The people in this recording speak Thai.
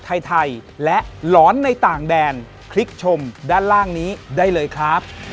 ขอบคุณค่ะ